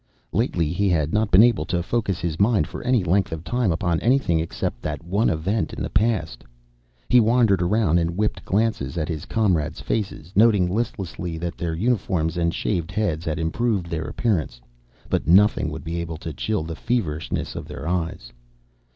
Lately, he had not been able to focus his mind for any length of time upon anything except that one event in the past. He wandered around and whipped glances at his comrades' faces, noting listlessly that their uniforms and shaved heads had improved their appearance. But nothing would be able to chill the feverishness of their eyes.